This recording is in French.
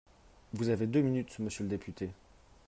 Vous avez deux minutes, monsieur le député.